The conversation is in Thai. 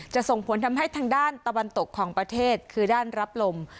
ส่งผลทำให้ทางด้านตะวันตกของประเทศคือด้านรับลม